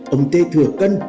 ông tê thừa cân